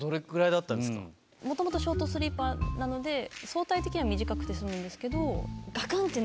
もともとショートスリーパーなので総体的には短くて済むんですけど。